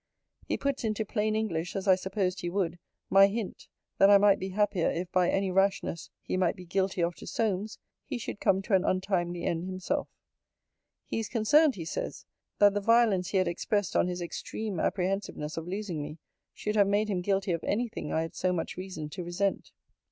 He puts into plain English, as I supposed he would, my hint, that I might be happier, if, by any rashness he might be guilty of to Solmes, he should come to an untimely end himself.' He is concerned, he says, 'That the violence he had expressed on his extreme apprehensiveness of losing me, should have made him guilty of any thing I had so much reason to resent.'